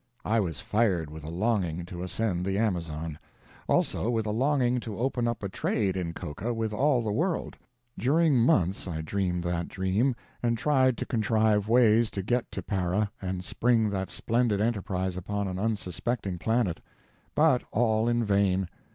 I was fired with a longing to ascend the Amazon. Also with a longing to open up a trade in coca with all the world. During months I dreamed that dream, and tried to contrive ways to get to Para and spring that splendid enterprise upon an unsuspecting planet. But all in vain.